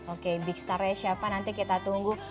oke big star nya siapa nanti kita tunggu